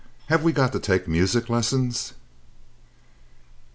Have we got to take music lessons?"